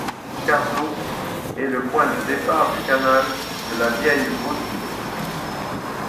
Courdault est le point de départ du canal de la vieille Autise.